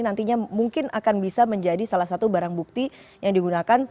nantinya mungkin akan bisa menjadi salah satu barang bukti yang digunakan